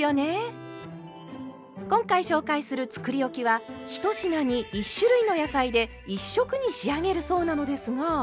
今回紹介するつくりおきは１品に１種類の野菜で１色に仕上げるそうなのですが。